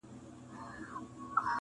o څه را مه که، زړه مي ازار مه که!